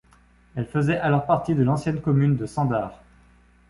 Elle faisait alors partie de l'ancienne commune de Sandar.